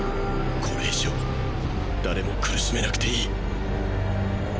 これ以上誰も苦しめなくていい。